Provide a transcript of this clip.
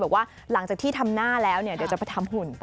บอกว่าหลังจากที่ทำหน้าแล้วเดี๋ยวจะไปทำหุ่น